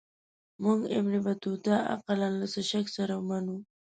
موږ ابن بطوطه اقلا له څه شک سره منو.